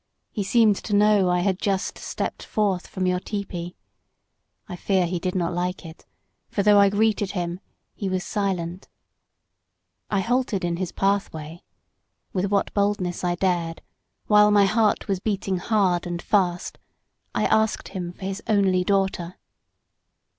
He seemed to know I had just stepped forth from your tepee. I fear he did not like it, for though I greeted him, he was silent. I halted in his pathway. With what boldness I dared, while my heart was beating hard and fast, I asked him for his only daughter.